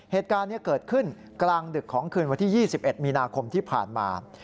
เหตุการณ์นี้เกิดขึ้นกลางดึกของคืนวันที่๒๑มีนาคมที่ผ่านมา